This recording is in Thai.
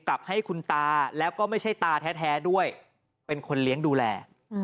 กลับให้คุณตาแล้วก็ไม่ใช่ตาแท้ด้วยเป็นคนเลี้ยงดูแล